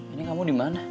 ini kamu dimana